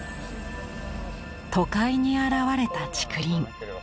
都会に現れた竹林。